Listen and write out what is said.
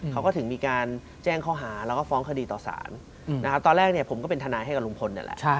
เขาก็การแจ้งเค้าฟ้องคดีต่อสารตอนแรกผมเป็นธนายให้กับลุงพล